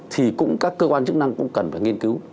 thì cũng các cơ quan chức năng cũng cần phải nghiên cứu